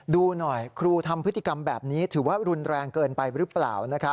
ดูหน่อยครูทำพฤติกรรมแบบนี้ถือว่ารุนแรงเกินไปหรือเปล่า